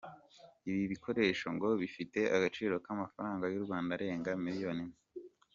Ibi bikoresho ngo bifite agaciro k’amafaranga y’u Rwanda arenga miliyoni imwe.